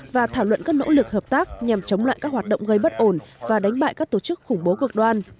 và thảo luận các nỗ lực hợp tác nhằm chống lại các hoạt động gây bất ổn và đánh bại các tổ chức khủng bố cực đoan